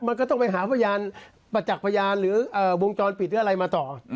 มันก็ต้องไปหาพยานประจักษ์พยานหรือวงจรปิดหรืออะไรมาต่อ